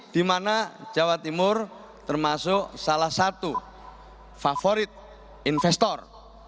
di mana jawa timur termasuk salah satu favorit investor